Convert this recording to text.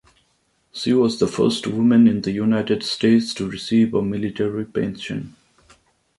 She was the first woman in the United States to receive a military pension.